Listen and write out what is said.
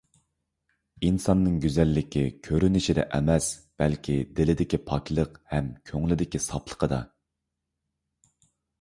ئىنساننىڭ گۈزەللىكى كۆرۈنۈشىدە ئەمەس، بەلكى دىلىدىكى پاكلىق ھەم كۆڭلىدىكى ساپلىقىدا.